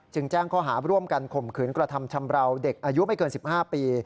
แจ้งข้อหาร่วมกันข่มขืนกระทำชำราวเด็กอายุไม่เกิน๑๕ปี